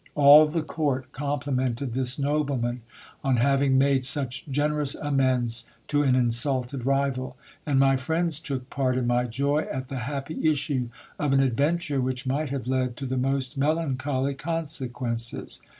All the court complimented this nobleman on having made such generous amends to an insulted rival ; and my friends took part in my joy at the happy issue of an adventure which might have led to the most melancholy consequences.